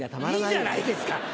いいじゃないですか！